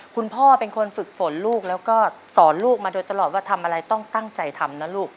คุณพ่อเป็นคนฝึกฝนลูกแล้วก็สอนลูกมาโดยตลอดว่าทำอะไรต้องตั้งใจทำนะลูก